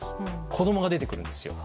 子供が出てくるんですよ。